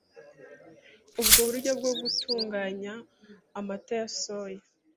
Ubwo buryo bwo gutunganya amata ya soya